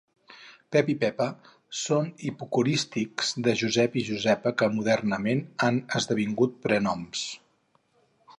Pep i Pepa són hipocorístics de Josep i Josepa que modernament han esdevingut prenoms.